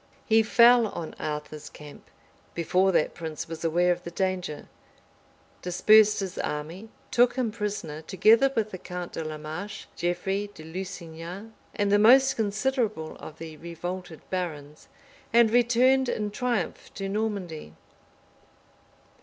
He fell on Arthur's camp, before that prince was aware of the danger; dispersed his army; took him prisoner together with the count de la Marche, Geoffrey de Lusignan, and the most considerable of the revolted barons, and returned in triumph to Normandy.